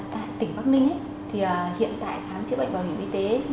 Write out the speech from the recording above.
tại tỉnh bắc ninh thì hiện tại khám chữa bệnh bảo hiểm y tế